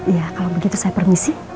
iya kalau begitu saya permisi